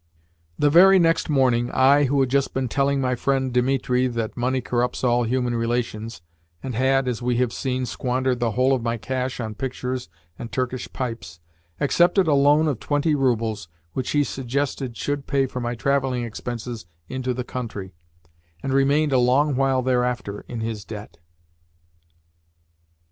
The very next morning I, who had just been telling my friend Dimitri that money corrupts all human relations, and had (as we have seen) squandered the whole of my cash on pictures and Turkish pipes, accepted a loan of twenty roubles which he suggested should pay for my travelling expenses into the country, and remained a long while thereafter in his debt!